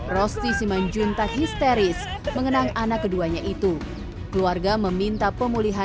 rosti simanjunta histeris mengenang anak keduanya itu keluarga meminta pemulihan